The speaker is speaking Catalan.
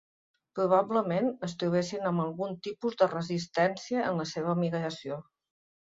Probablement, es trobessin amb algun tipus de resistència en la seva migració.